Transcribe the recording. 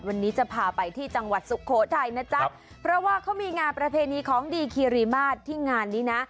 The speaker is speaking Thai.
วันนี้จะพาไปที่จังหวัดสุโขทัยนะจ๊ะเพราะว่าเขามีงานประเพณีของดีคีรีมาตรที่งานนี้นะ